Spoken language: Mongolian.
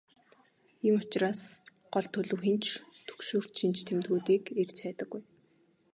Ийм учраас гол төлөв хэн ч түгшүүрт шинж тэмдгүүдийг эрж хайдаггүй.